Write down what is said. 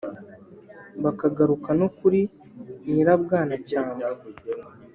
Bakagaruka no kuri Nyirabwanacyambwe